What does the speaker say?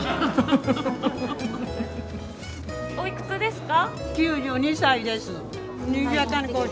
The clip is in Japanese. おいくつですか？